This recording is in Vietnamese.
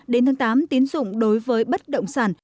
đến tháng tám tín dụng đối với bất động sản